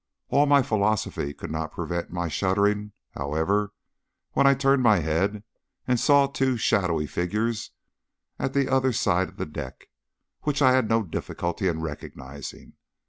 All my philosophy could not prevent my shuddering, however, when I turned my head and saw two shadowy figures at the other side of the deck, which I had no difficulty in recognising.